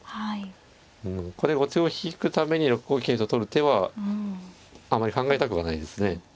これ後手を引くために６五桂と取る手はあまり考えたくはないですね。